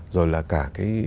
rồi là cả cái